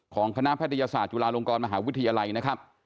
คณะแพทยศาสตร์จุฬาลงกรมหาวิทยาลัยนะครับ